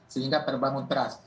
sehingga terbangun teras